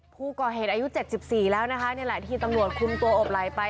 ผู้ก่อเหตุอายุ๗๔แล้วนะคะนี่แหละที่ตำรวจคุมตัวอบไหลไป